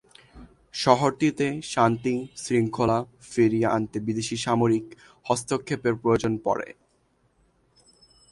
শহরটিতে শান্তি শৃঙ্খলা ফিরিয়ে আনতে বিদেশী সামরিক হস্তক্ষেপের প্রয়োজন পড়ে।